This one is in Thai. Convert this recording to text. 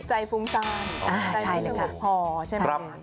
ใจฟุ้งซ้ายใจฟุ้งภอใช่ไหม